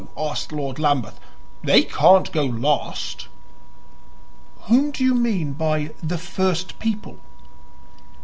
asked Lord Lambeth. "They can't go last." "Whom do you mean by the first people?"